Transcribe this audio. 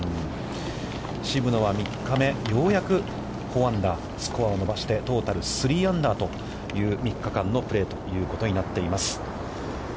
渋野は３日目４アンダー、ストロークを伸ばして、トータル３アンダーという３日間のプレーということになっています。